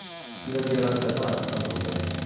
Qui l'havia rescatat, a Butes?